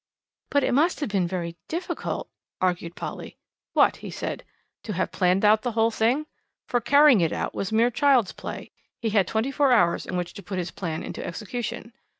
'" "But it must have been very difficult " argued Polly. "What?" he said. "To have planned out the whole thing? For carrying it out was mere child's play. He had twenty four hours in which to put his plan into execution.